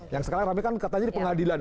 yang sekarang rame kan katanya di pengadilan